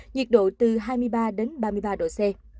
nhiệt độ từ hai mươi ba đến ba mươi ba độ c